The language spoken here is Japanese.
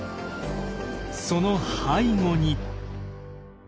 その背後に。